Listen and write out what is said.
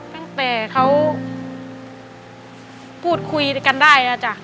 ตั้งแต่เขาพูดคุยกันได้นะจ๊ะ